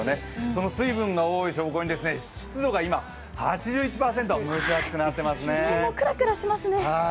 その水分が多い証拠に、湿度が今８１％、クラクラしますね。